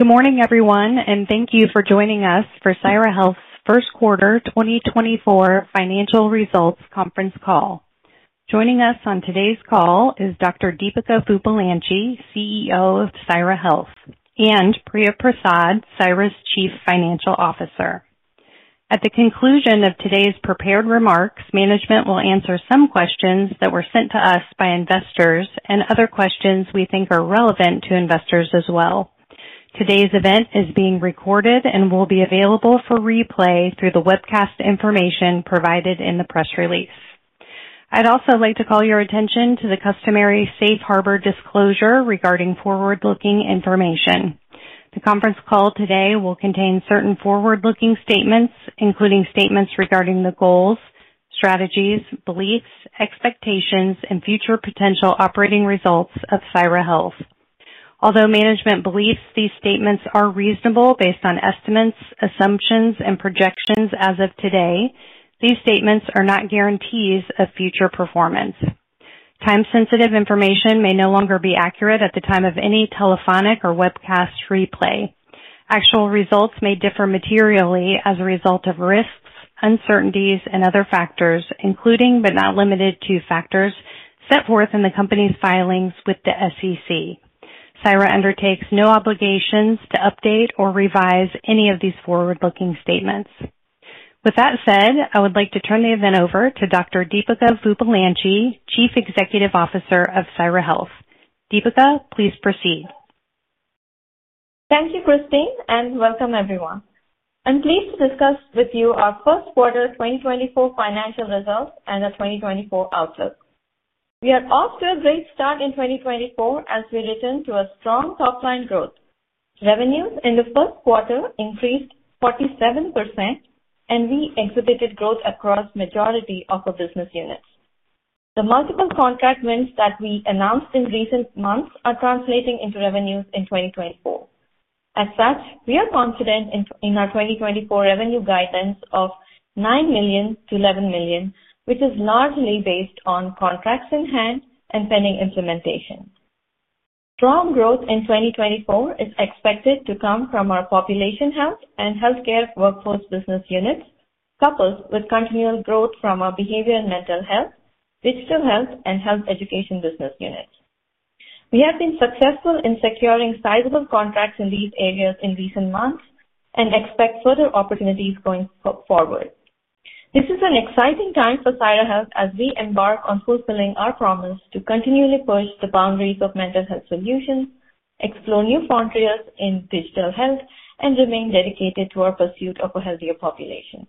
Good morning, everyone, and thank you for joining us for Syra Health's first quarter 2024 financial results conference call. Joining us on today's call is Dr. Deepika Vuppalanchi, CEO of Syra Health, and Priya Prasad, Syra's Chief Financial Officer. At the conclusion of today's prepared remarks, management will answer some questions that were sent to us by investors and other questions we think are relevant to investors as well. Today's event is being recorded and will be available for replay through the webcast information provided in the press release. I'd also like to call your attention to the customary safe harbor disclosure regarding forward-looking information. The conference call today will contain certain forward-looking statements, including statements regarding the goals, strategies, beliefs, expectations, and future potential operating results of Syra Health. Although management believes these statements are reasonable based on estimates, assumptions, and projections as of today, these statements are not guarantees of future performance. Time-sensitive information may no longer be accurate at the time of any telephonic or webcast replay. Actual results may differ materially as a result of risks, uncertainties, and other factors, including, but not limited to, factors set forth in the company's filings with the SEC. Syra Health undertakes no obligations to update or revise any of these forward-looking statements. With that said, I would like to turn the event over to Dr. Deepika Vuppalanchi, Chief Executive Officer of Syra Health. Deepika, please proceed. Thank you, Christine, and welcome everyone. I'm pleased to discuss with you our first quarter 2024 financial results and the 2024 outlook. We are off to a great start in 2024 as we return to a strong top-line growth. Revenues in the first quarter increased 47%, and we exhibited growth across majority of our business units. The multiple contract wins that we announced in recent months are translating into revenues in 2024. As such, we are confident in our 2024 revenue guidance of $9 million-$11 million, which is largely based on contracts in hand and pending implementation. Strong growth in 2024 is expected to come from our population health and healthcare workforce business units, coupled with continual growth from our behavior and mental health, digital health, and health education business units. We have been successful in securing sizable contracts in these areas in recent months and expect further opportunities going forward. This is an exciting time for Syra Health as we embark on fulfilling our promise to continually push the boundaries of mental health solutions, explore new frontiers in digital health, and remain dedicated to our pursuit of a healthier population.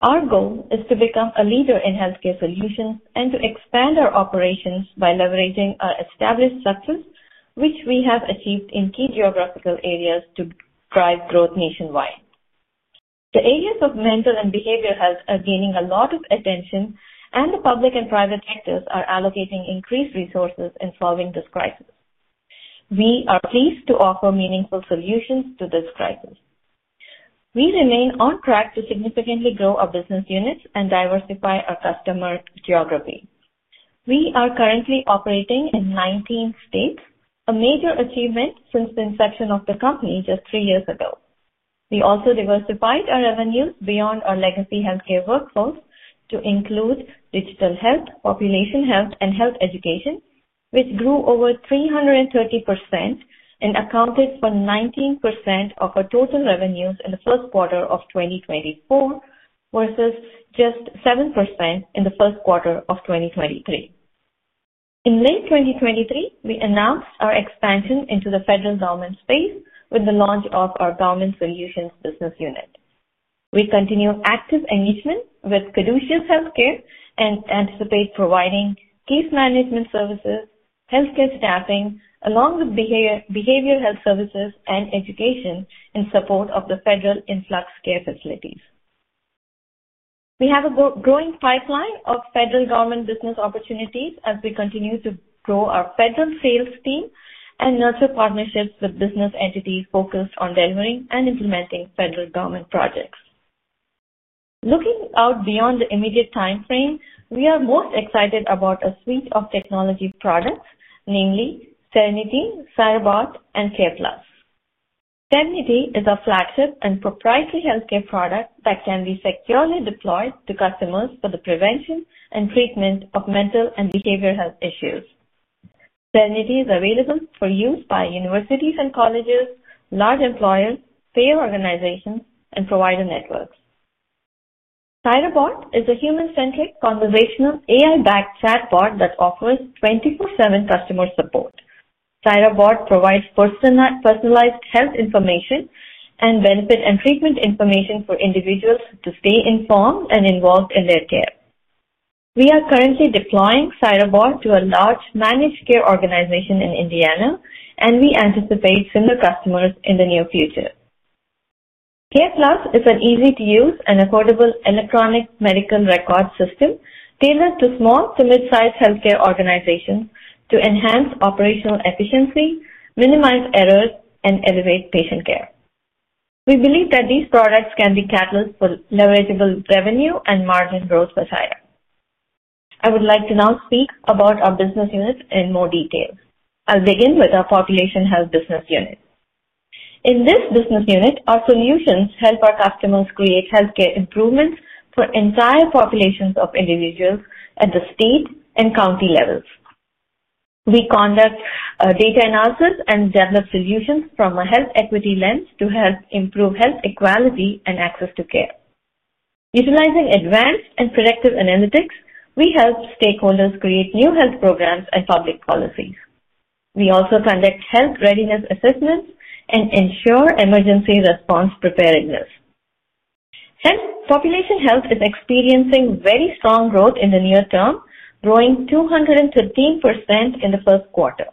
Our goal is to become a leader in healthcare solutions and to expand our operations by leveraging our established success, which we have achieved in key geographical areas, to drive growth nationwide. The areas of mental and behavioral health are gaining a lot of attention, and the public and private sectors are allocating increased resources in solving this crisis. We are pleased to offer meaningful solutions to this crisis. We remain on track to significantly grow our business units and diversify our customer geography. We are currently operating in 19 states, a major achievement since the inception of the company just three years ago. We also diversified our revenues beyond our legacy healthcare workforce to include digital health, population health, and health education, which grew over 330% and accounted for 19% of our total revenues in the first quarter of 2024, versus just 7% in the first quarter of 2023. In late 2023, we announced our expansion into the federal government space with the launch of our government solutions business unit. We continue active engagement with Caduceus Healthcare and anticipate providing case management services, healthcare staffing, along with behavioral health services and education in support of the federal Influx Care Facilities. We have a growing pipeline of federal government business opportunities as we continue to grow our federal sales team and nurture partnerships with business entities focused on delivering and implementing federal government projects. Looking out beyond the immediate time frame, we are most excited about a suite of technology products, namely Syrenity, SyraBot, and CarePlus. Syrenity is our flagship and proprietary healthcare product that can be securely deployed to customers for the prevention and treatment of mental and behavioral health issues. Syrenity is available for use by universities and colleges, large employers, payer organizations, and provider networks. SyraBot is a human-centric, conversational, AI-backed chatbot that offers 24/7 customer support. SyraBot provides personalized health information and benefit and treatment information for individuals to stay informed and involved in their care. We are currently deploying SyraBot to a large managed care organization in Indiana, and we anticipate similar customers in the near future. CarePlus is an easy-to-use and affordable electronic medical record system tailored to small to mid-sized healthcare organizations to enhance operational efficiency, minimize errors, and elevate patient care. We believe that these products can be catalysts for leverageable revenue and margin growth for Syra.... I would like to now speak about our business units in more detail. I'll begin with our population health business unit. In this business unit, our solutions help our customers create healthcare improvements for entire populations of individuals at the state and county levels. We conduct data analysis and develop solutions from a health equity lens to help improve health equality and access to care. Utilizing advanced and predictive analytics, we help stakeholders create new health programs and public policies. We also conduct health readiness assessments and ensure emergency response preparedness. Population health is experiencing very strong growth in the near term, growing 213% in the first quarter.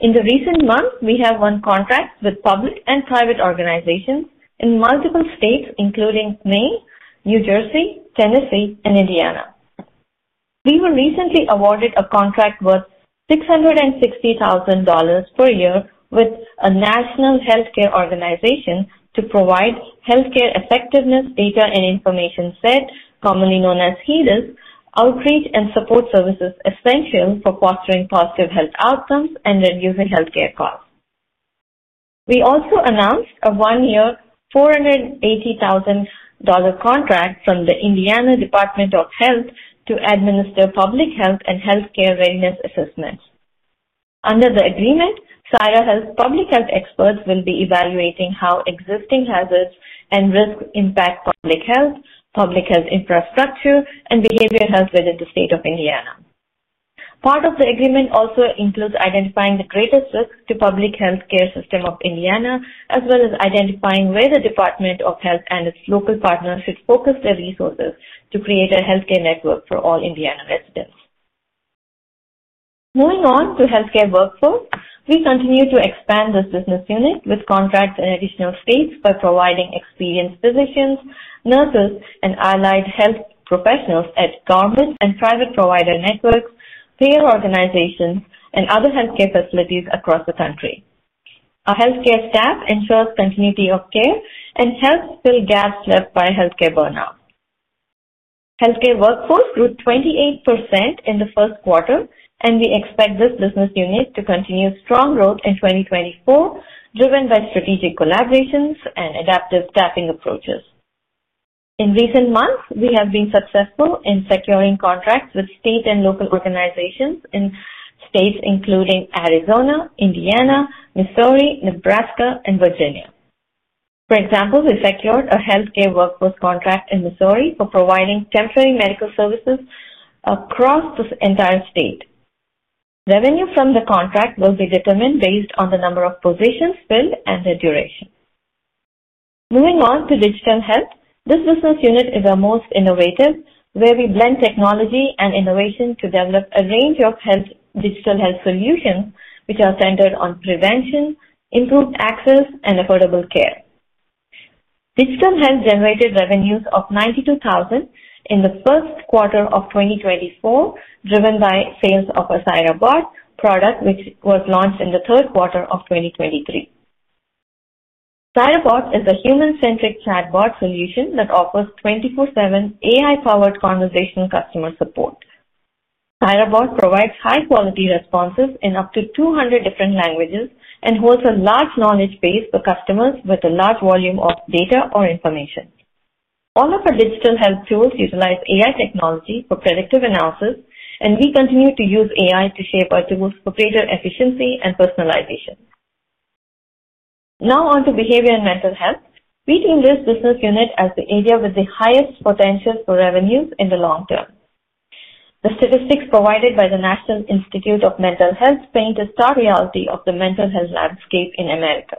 In the recent months, we have won contracts with public and private organizations in multiple states, including Maine, New Jersey, Tennessee, and Indiana. We were recently awarded a contract worth $660,000 per year with a national healthcare organization to provide Healthcare Effectiveness Data and Information Set, commonly known as HEDIS, outreach and support services essential for fostering positive health outcomes and reducing healthcare costs. We also announced a one-year, $480,000 contract from the Indiana Department of Health to administer public health and healthcare readiness assessments. Under the agreement, Syra Health public health experts will be evaluating how existing hazards and risks impact public health, public health infrastructure, and behavioral health within the state of Indiana. Part of the agreement also includes identifying the greatest risk to public healthcare system of Indiana, as well as identifying where the Department of Health and its local partners should focus their resources to create a healthcare network for all Indiana residents. Moving on to healthcare workforce, we continue to expand this business unit with contracts in additional states by providing experienced physicians, nurses, and allied health professionals at government and private provider networks, payer organizations, and other healthcare facilities across the country. Our healthcare staff ensures continuity of care and helps fill gaps left by healthcare burnout. Healthcare workforce grew 28% in the first quarter, and we expect this business unit to continue strong growth in 2024, driven by strategic collaborations and adaptive staffing approaches. In recent months, we have been successful in securing contracts with state and local organizations in states including Arizona, Indiana, Missouri, Nebraska, and Virginia. For example, we secured a healthcare workforce contract in Missouri for providing temporary medical services across the entire state. Revenue from the contract will be determined based on the number of positions filled and the duration. Moving on to digital health. This business unit is our most innovative, where we blend technology and innovation to develop a range of digital health solutions, which are centered on prevention, improved access, and affordable care. Digital health generated revenues of $92,000 in the first quarter of 2024, driven by sales of our SyraBot product, which was launched in the third quarter of 2023. SyraBot is a human-centric chatbot solution that offers 24/7 AI-powered conversational customer support. SyraBot provides high-quality responses in up to 200 different languages and holds a large knowledge base for customers with a large volume of data or information. All of our digital health tools utilize AI technology for predictive analysis, and we continue to use AI to shape our tools for greater efficiency and personalization. Now on to behavior and mental health. We view this business unit as the area with the highest potential for revenues in the long term. The statistics provided by the National Institute of Mental Health paint a stark reality of the mental health landscape in America.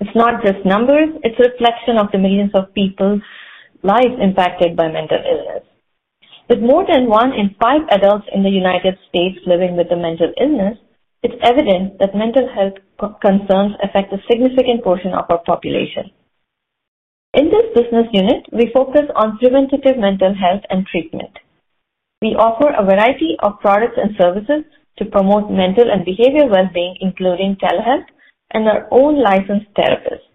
It's not just numbers, it's a reflection of the millions of people's lives impacted by mental illness. With more than one in five adults in the United States living with a mental illness, it's evident that mental health concerns affect a significant portion of our population. In this business unit, we focus on preventative mental health and treatment. We offer a variety of products and services to promote mental and behavioral well-being, including telehealth and our own licensed therapists.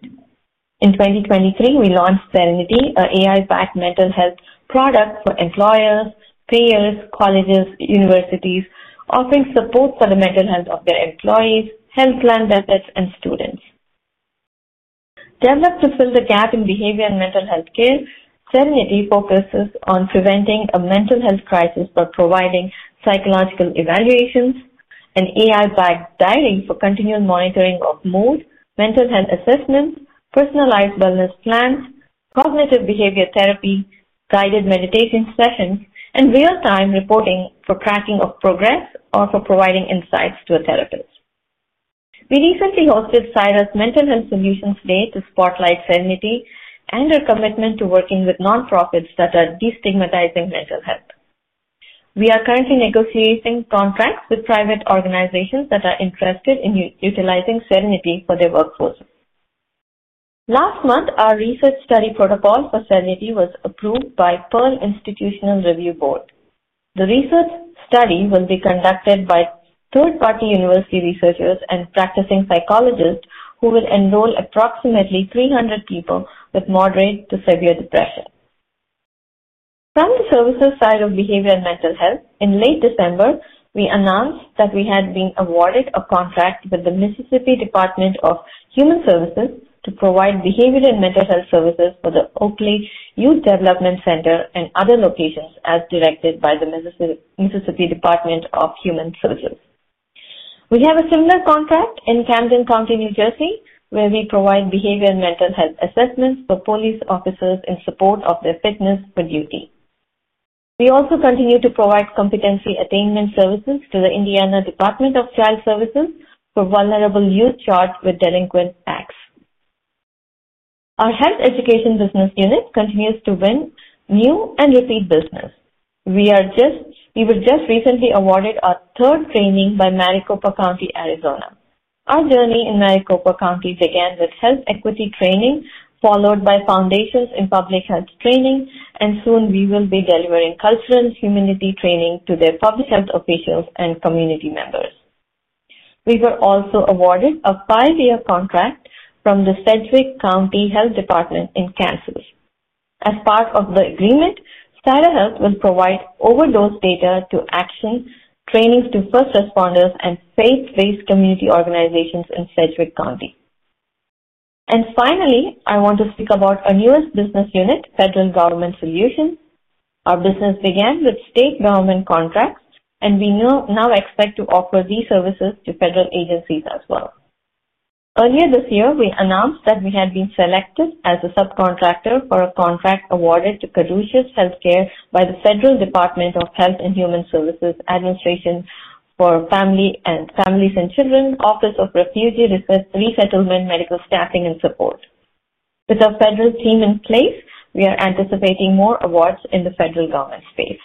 In 2023, we launched Syrenity, an AI-backed mental health product for employers, payers, colleges, universities, offering support for the mental health of their employees, health plan benefits, and students. Developed to fill the gap in behavioral and mental healthcare, Syrenity focuses on preventing a mental health crisis by providing psychological evaluations, an AI-backed diary for continual monitoring of mood, mental health assessments, personalized wellness plans, cognitive behavior therapy, guided meditation sessions, and real-time reporting for tracking of progress or for providing insights to a therapist. We recently hosted Syra's Mental Health Solutions Day to spotlight Syrenity and our commitment to working with nonprofits that are destigmatizing mental health. We are currently negotiating contracts with private organizations that are interested in utilizing Syrenity for their workforce. Last month, our research study protocol for Syrenity was approved by Pearl Institutional Review Board. The study will be conducted by third-party university researchers and practicing psychologists who will enroll approximately 300 people with moderate to severe depression. From the services side of behavioral and mental health, in late December, we announced that we had been awarded a contract with the Mississippi Department of Human Services to provide behavioral and mental health services for the Oakley Youth Development Center and other locations, as directed by the Mississippi Department of Human Services. We have a similar contract in Camden County, New Jersey, where we provide behavioral and mental health assessments for police officers in support of their fitness for duty. We also continue to provide competency attainment services to the Indiana Department of Child Services for vulnerable youth charged with delinquent acts. Our health education business unit continues to win new and repeat business. We were just recently awarded our third training by Maricopa County, Arizona. Our journey in Maricopa County began with health equity training, followed by Foundations in Public Health training, and soon we will be delivering Cultural Humility training to their public health officials and community members. We were also awarded a five-year contract from the Sedgwick County Health Department in Kansas. As part of the agreement, Syra Health will provide Overdose Data to Action trainings to first responders and faith-based community organizations in Sedgwick County. And finally, I want to speak about our newest business unit, Federal Government Solutions. Our business began with state government contracts, and we now expect to offer these services to federal agencies as well. Earlier this year, we announced that we had been selected as a subcontractor for a contract awarded to Caduceus Healthcare by the U.S. Department of Health and Human Services Administration for Children and Families, Office of Refugee Resettlement, medical staffing and support. With our federal team in place, we are anticipating more awards in the federal government space.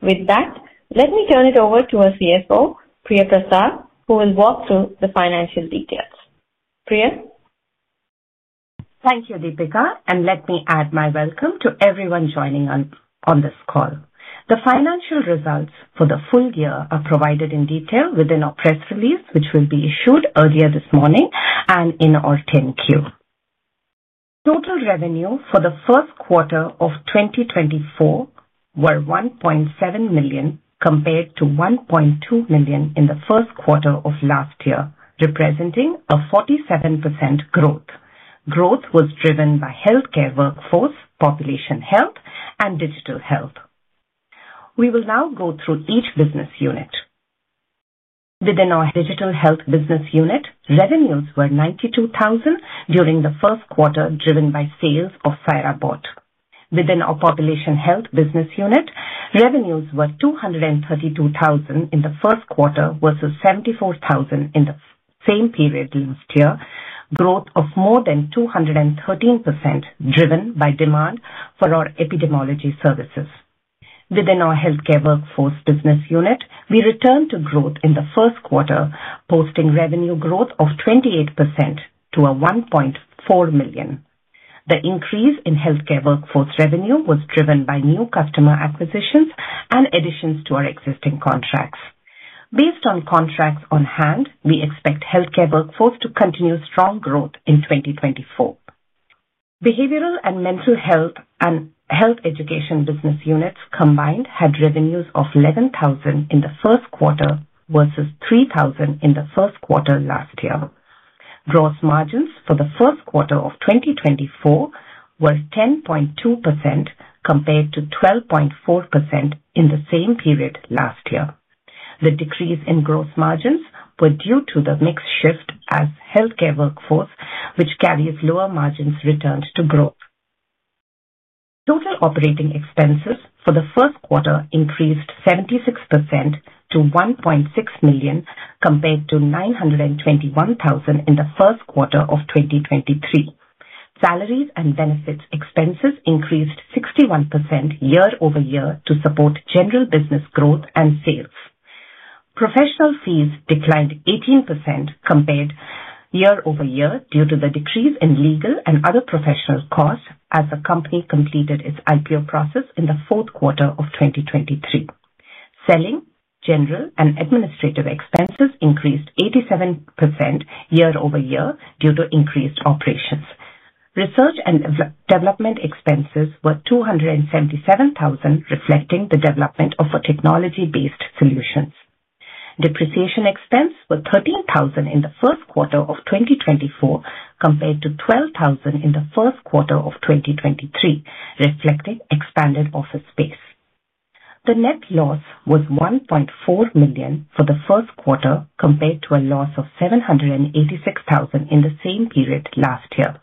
With that, let me turn it over to our CFO, Priya Prasad, who will walk through the financial details. Priya? Thank you, Deepika, and let me add my welcome to everyone joining on this call. The financial results for the full year are provided in detail within our press release, which will be issued earlier this morning and in our 10-Q. Total revenue for the first quarter of 2024 were $1.7 million, compared to $1.2 million in the first quarter of last year, representing a 47% growth. Growth was driven by healthcare workforce, population health and digital health. We will now go through each business unit. Within our digital health business unit, revenues were $92,000 during the first quarter, driven by sales of SyraBot. Within our population health business unit, revenues were $232,000 in the first quarter versus $74,000 in the same period last year, growth of more than 213%, driven by demand for our epidemiology services. Within our healthcare workforce business unit, we returned to growth in the first quarter, posting revenue growth of 28% to $1.4 million. The increase in healthcare workforce revenue was driven by new customer acquisitions and additions to our existing contracts. Based on contracts on hand, we expect healthcare workforce to continue strong growth in 2024. Behavioral and mental health and health education business units combined had revenues of $11,000 in the first quarter versus $3,000 in the first quarter last year. Gross margins for the first quarter of 2024 were 10.2%, compared to 12.4% in the same period last year. The decrease in gross margins were due to the mix shift as healthcare workforce, which carries lower margins, returned to growth. Total operating expenses for the first quarter increased 76% to $1.6 million, compared to $921,000 in the first quarter of 2023. Salaries and benefits expenses increased 61% year-over-year to support general business growth and sales. Professional fees declined 18% compared year-over-year due to the decrease in legal and other professional costs as the company completed its IPO process in the fourth quarter of 2023. Selling, general and administrative expenses increased 87% year-over-year due to increased operations. Research and development expenses were $277,000, reflecting the development of our technology-based solutions. Depreciation expense was $13,000 in the first quarter of 2024, compared to $12,000 in the first quarter of 2023, reflecting expanded office space. The net loss was $1.4 million for the first quarter, compared to a loss of $786,000 in the same period last year.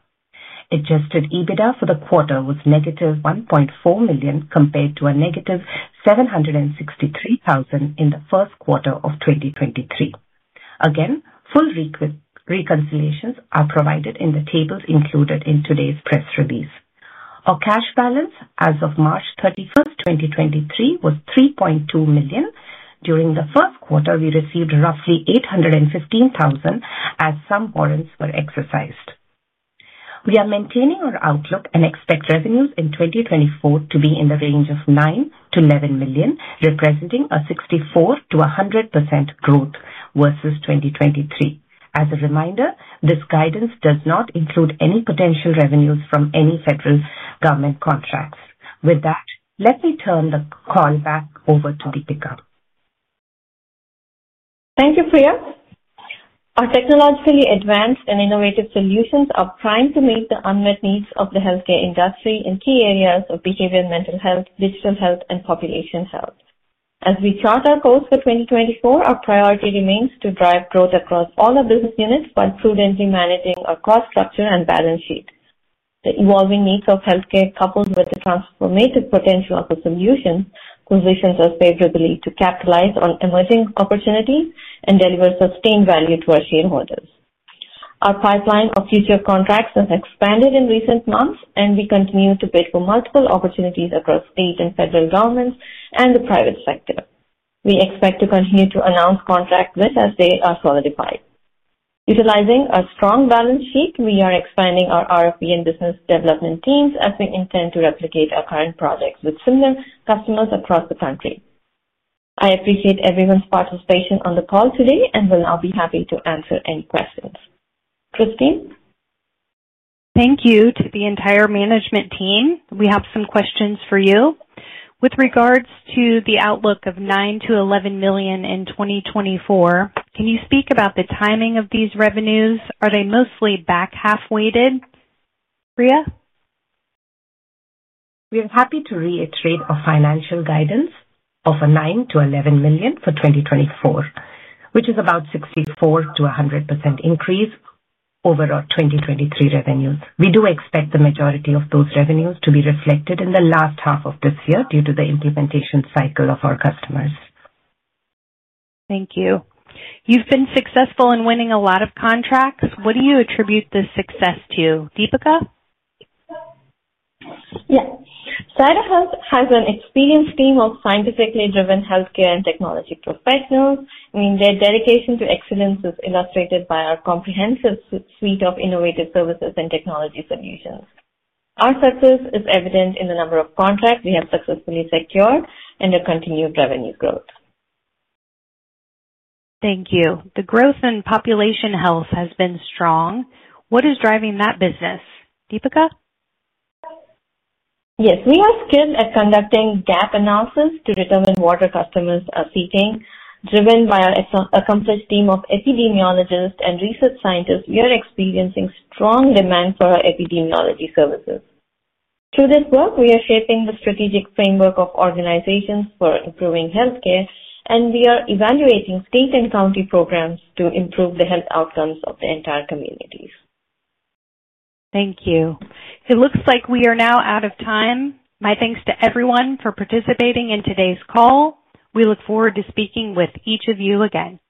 Adjusted EBITDA for the quarter was -$1.4 million, compared to -$763,000 in the first quarter of 2023. Again, full reconciliations are provided in the tables included in today's press release. Our cash balance as of March 31st, 2024, was $3.2 million. During the first quarter, we received roughly $815,000 as some warrants were exercised. We are maintaining our outlook and expect revenues in 2024 to be in the range of $9 million-$11 million, representing a 64%-100% growth versus 2023. As a reminder, this guidance does not include any potential revenues from any federal government contracts. With that, let me turn the call back over to Deepika. Thank you, Priya. Our technologically advanced and innovative solutions are primed to meet the unmet needs of the healthcare industry in key areas of behavioral and mental health, digital health, and population health. As we chart our course for 2024, our priority remains to drive growth across all our business units while prudently managing our cost structure and balance sheet. The evolving needs of healthcare, coupled with the transformative potential of the solution, positions us favorably to capitalize on emerging opportunities and deliver sustained value to our shareholders. Our pipeline of future contracts has expanded in recent months, and we continue to bid for multiple opportunities across state and federal governments and the private sector. We expect to continue to announce contracts with as they are solidified. Utilizing our strong balance sheet, we are expanding our RFP and business development teams as we intend to replicate our current projects with similar customers across the country. I appreciate everyone's participation on the call today and will now be happy to answer any questions. Christine? Thank you to the entire management team. We have some questions for you. With regards to the outlook of $9 million-$11 million in 2024, can you speak about the timing of these revenues? Are they mostly back half-weighted, Priya? We are happy to reiterate our financial guidance of $9 million-$11 million for 2024, which is about 64%-100% increase over our 2023 revenues. We do expect the majority of those revenues to be reflected in the last half of this year due to the implementation cycle of our customers. Thank you. You've been successful in winning a lot of contracts. What do you attribute this success to, Deepika? Yes. Syra Health has an experienced team of scientifically driven healthcare and technology professionals, and their dedication to excellence is illustrated by our comprehensive suite of innovative services and technology solutions. Our success is evident in the number of contracts we have successfully secured and our continued revenue growth. Thank you. The growth in population health has been strong. What is driving that business, Deepika? Yes, we are skilled at conducting gap analysis to determine what our customers are seeking. Driven by our accomplished team of epidemiologists and research scientists, we are experiencing strong demand for our epidemiology services. Through this work, we are shaping the strategic framework of organizations for improving healthcare, and we are evaluating state and county programs to improve the health outcomes of the entire communities. Thank you. It looks like we are now out of time. My thanks to everyone for participating in today's call. We look forward to speaking with each of you again.